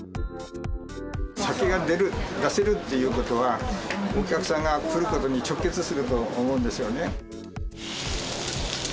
酒が出る、出せるっていうことは、お客さんが来ることに直結すると思うんですよね。